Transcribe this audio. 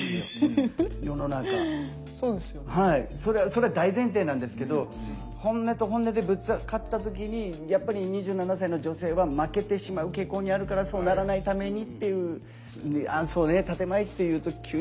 それは大前提なんですけど本音と本音でぶつかった時にやっぱり２７歳の女性は負けてしまう傾向にあるからそうならないためにっていう。